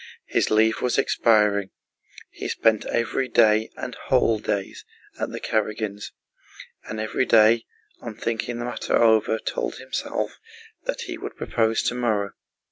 His leave was expiring. He spent every day and whole days at the Karágins', and every day on thinking the matter over told himself that he would propose tomorrow.